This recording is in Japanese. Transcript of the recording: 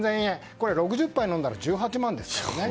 これ、６０杯飲んだら１８万ですからね。